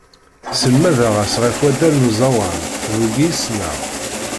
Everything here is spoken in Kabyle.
Sselmadeɣ-as ɣef waddal d uẓawan, d wigi i ssneɣ.